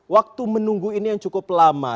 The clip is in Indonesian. waktu menunggu ini yang cukup lama